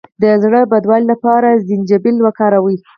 د زړه بدوالي لپاره زنجبیل وکاروئ